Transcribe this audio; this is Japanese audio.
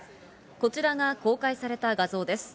こちらが公開された画像です。